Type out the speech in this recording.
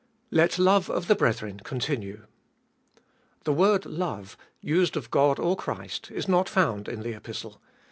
Let love of the brethren continue. The word love, used of God or Christ, is not found in the Epistle.